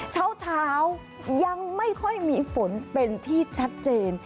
เช้ายังไม่ค่อยมีฝนเป็นที่ชัดเจน